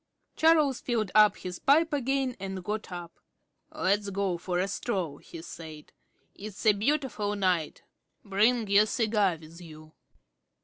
Charles filled his pipe again and got up. "Let's go for a stroll," he said. "It's a beautiful night. Bring your cigar with you."